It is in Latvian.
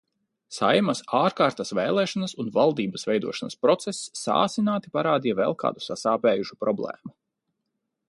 Saeimas ārkārtas vēlēšanas un valdības veidošanas process saasināti parādīja vēl kādu sasāpējušu problēmu.